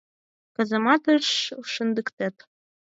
Казаматыш шындыктет.